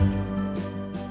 aku dari undang undang